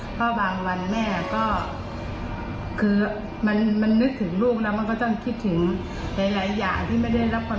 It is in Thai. เพราะบางวันแม่ก็คือมันนึกถึงลูกแล้วมันก็ต้องคิดถึงหลายอย่างที่ไม่ได้รับความ